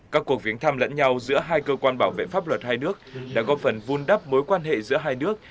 các cuộc viếng thăm lẫn nhau giữa hai cơ quan bảo vệ pháp luật hai nước đã góp phần vun đắp mối quan hệ giữa hai nước